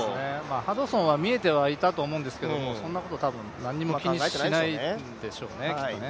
ハドソンは見えてはいたと思うんですけどそんなこと何も気にしないんでしょうね、きっとね。